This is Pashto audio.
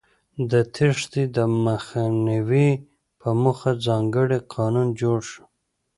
د تېښتې د مخنیوي په موخه ځانګړی قانون جوړ شو.